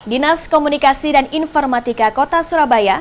dinas komunikasi dan informatika kota surabaya